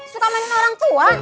suka main sama orang tua